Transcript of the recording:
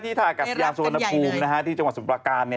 ที่ถ้ากัสยางสวนภูมินะครับที่จังหวัดสุรการเนี่ย